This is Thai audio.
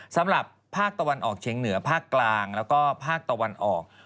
สำหรับภาคตะวันออกเชียงเหนือภาคกลางแล้วก็ภาคตะวันออก